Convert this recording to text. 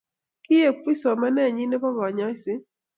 kiek puch somaneng'ing nebo kanyoise?